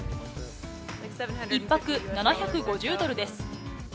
１泊７５０ドルです。